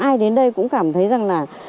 ai đến đây cũng cảm thấy rằng là